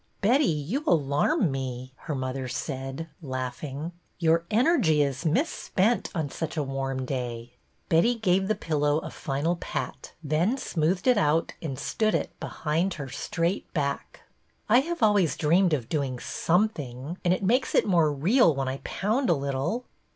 Betty, you alarm me," her mother said, laugh ing. '' Your energy is misspent on such a warm day." I 2 BETTY BAIRD'S VENTURES Betty gave the pillow a final pat, then smoothed it out and stood it behind her straight back. I have always dreamed of doing Something, and it makes it more real when I pound a little."